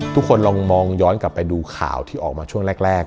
ทุกคนลองมองย้อนกลับไปดูข่าวที่ออกมาช่วงแรก